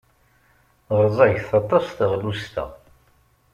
Rẓaget aṭas teɣlust-a.